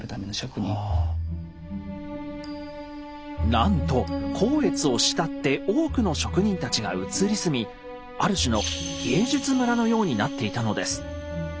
なんと光悦を慕って多くの職人たちが移り住みある種の芸術村のようになっていたのです。